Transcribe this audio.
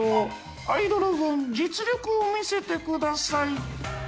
アイドル軍実力を見せてください。